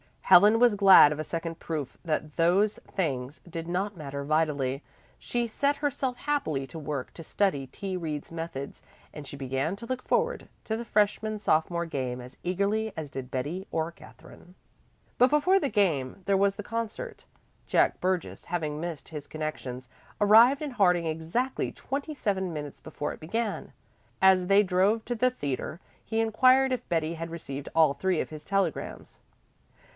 Helen was glad of a second proof that those things did not matter vitally. She set herself happily to work to study T. Reed's methods, and she began to look forward to the freshman sophomore game as eagerly as did Betty or Katherine. But before the game there was the concert. Jack Burgess, having missed his connections, arrived in Harding exactly twenty seven minutes before it began. As they drove to the theatre he inquired if Betty had received all three of his telegrams.